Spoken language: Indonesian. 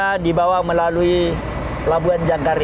yang dibawa melalui pelabuhan jangkar ini